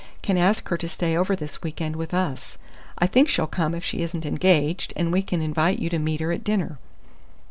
can ask her to stay over this week end with us. I think she'll come if she isn't engaged; and we can invite you to meet her at dinner."